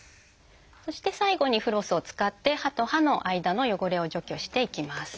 そして最後にフロスを使って歯と歯の間の汚れを除去していきます。